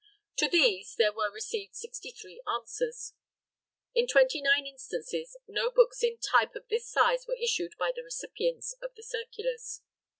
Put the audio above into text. To these there were received sixty three answers. In twenty nine instances, no books in type of this size were issued by the recipients of the circulars.